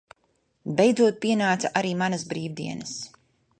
Beidzot pienāca arī manas brīvdienas.